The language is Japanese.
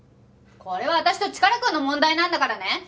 これは私とチカラくんの問題なんだからね。